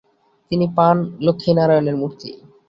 তিনি পান লক্ষীনারায়ণের মুর্তি।